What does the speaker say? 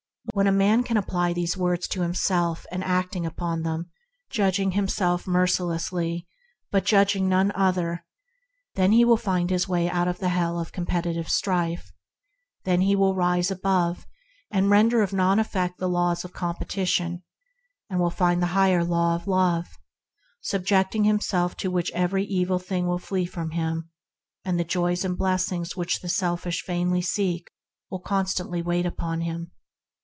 When a man can apply these words to himself and act upon them, judging himself mercilessly but judging none other, then will he rise above and render of no effect the laws of competition, and will find the higher Law of Love, subjecting him self to which every evil thing will flee from him, and the joys and blessings that the selfish vainly seek will constantly wait upon him.